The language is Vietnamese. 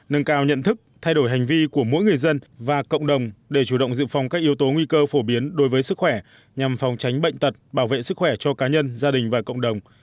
nâng cao nhận thức thay đổi hành vi của mỗi người dân và cộng đồng để chủ động dự phòng các yếu tố nguy cơ phổ biến đối với sức khỏe nhằm phòng tránh bệnh tật bảo vệ sức khỏe cho cá nhân gia đình và cộng đồng